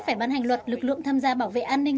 phải ban hành luật lực lượng tham gia bảo vệ an ninh